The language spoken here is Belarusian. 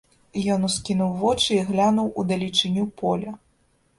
Ён ускінуў вочы і глянуў у далечыню поля.